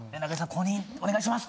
公認お願いします！」